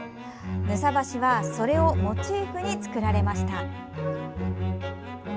ぬさ橋はそれをモチーフに造られました。